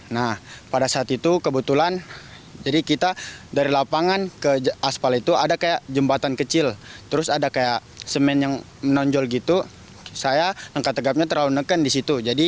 nah pada saat itu kebetulan jadi kita dari lapangan ke aspal itu ada kayak jembatan kecil terus ada kayak semen yang menonjol gitu saya angkat tegapnya terlalu neken di situ